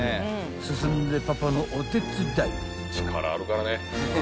［進んでパパのお手伝い］